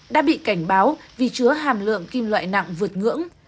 đã bị cảnh báo vì chứa hàm lượng kim loại nặng vượt ngưỡng